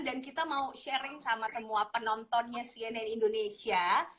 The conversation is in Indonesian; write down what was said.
dan kita mau sharing sama semua penontonnya cnn indonesia